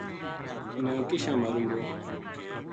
نا کِشاں ماروں گو